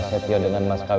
dia bilang dua kali